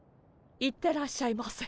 行ってらっしゃいませ。